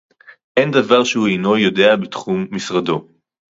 אין דבר שהוא אינו יודע בתחום משרדו